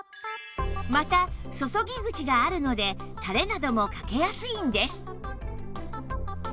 また注ぎ口があるのでタレなどもかけやすいんです